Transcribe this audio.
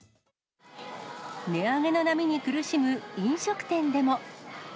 値上げの波に苦しむ飲食店でも。